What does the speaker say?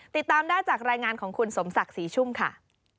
ติดตามได้จากรายงานของคุณสมศักดิ์ศรีชุ่มค่ะ